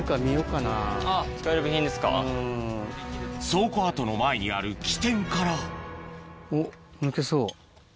倉庫跡の前にある起点からおっ抜けそう。